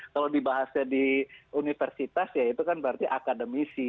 kalau dibahasnya di universitas ya itu kan berarti akademisi